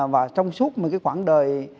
và trong suốt một cái khoảng đời